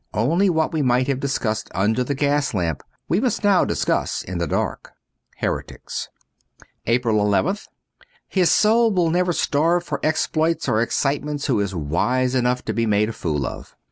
Only what we might have discussed under the gas lamp we must now discuss in the dark. * Heretics.'' tto APRIL nth HIS soul will never starve for exploits or excitements who is wise enough to be made a fool of.